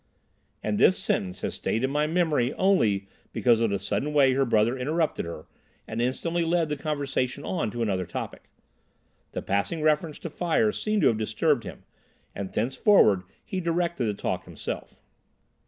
And this sentence has stayed in my memory only because of the sudden way her brother interrupted her and instantly led the conversation on to another topic. The passing reference to fire seemed to have disturbed him, and thenceforward he directed the talk himself.